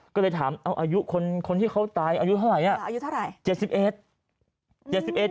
ก็เลยถามเอาอายุคนที่เขาตายอายุเท่าไหร่อ่ะอายุเท่าไหร่